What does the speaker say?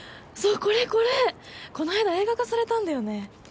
これこれこの間映画化されたんだよね